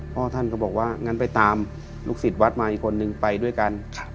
พ่อท่านก็บอกว่างั้นไปตามลูกศิษย์วัดมาอีกคนนึงไปด้วยกัน